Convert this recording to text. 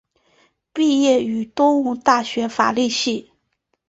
毕业于东吴大学法律系。